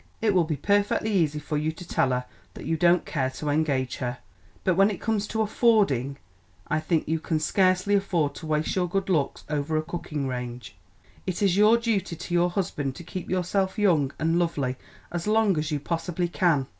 It will be perfectly easy for you to tell her that you don't care to engage her. But when it comes to affording, I think you can scarcely afford to waste your good looks over a cooking range. It is your duty to your husband to keep yourself young and lovely as long as you possibly can.